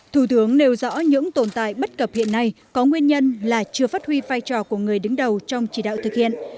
thủ tướng nêu rõ những tồn tại bất cập hiện nay có nguyên nhân là chưa phát huy vai trò của người đứng đầu trong chỉ đạo thực hiện